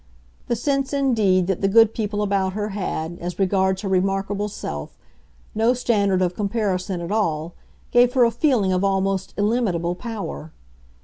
The sense, indeed, that the good people about her had, as regards her remarkable self, no standard of comparison at all gave her a feeling of almost illimitable power.